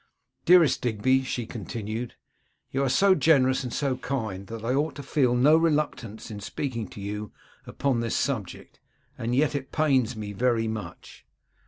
'Dearest Digby,' she continued, 'you are so generous and so kind, that I ought to feel no reluctance in speaking to you upon this subject; and yet it pains me very much.